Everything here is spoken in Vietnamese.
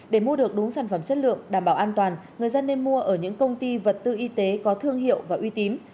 để mua được đúng sản phẩm chất lượng đảm bảo an toàn người dân nên mua ở những công ty vật tư y tế có thương hiệu và uy tín